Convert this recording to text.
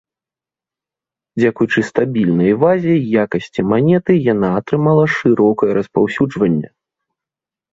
Дзякуючы стабільнай вазе і якасці манеты, яна атрымала шырокае распаўсюджванне.